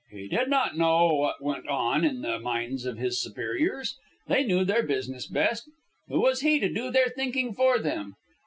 He did not know what went on in the minds of his superiors. They knew their business best. Who was he to do their thinking for them?